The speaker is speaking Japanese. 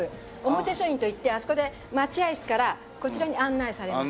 表書院といってあそこで待合室からこちらに案内されます。